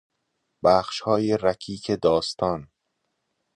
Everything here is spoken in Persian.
بخشهای رکیک داستان